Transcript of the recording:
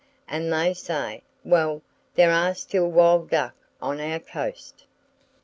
And they say, "Well, there are still wild duck on our coast!"